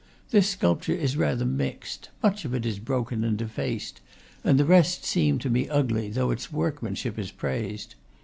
This sculpture is rather mixed; much of it is broken and defaced, and the rest seemed to me ugly, though its workmanship is praised.